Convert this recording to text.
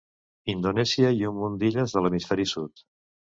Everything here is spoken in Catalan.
Indonèsia i un munt d'illes de l'hemisferi sud.